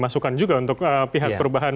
masukan juga untuk pihak perubahan